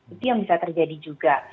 itu yang bisa terjadi juga